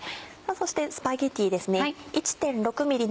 そしてスパゲティですね。